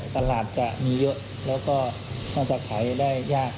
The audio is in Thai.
ตลาดจะมีเยอะแล้วก็น่าจะขายได้ยาก